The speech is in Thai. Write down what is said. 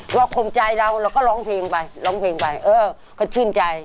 รอคงใจเราแล้วก็ร้องเพลงไปร้องเพลงไปเออก็ขึ้นใจ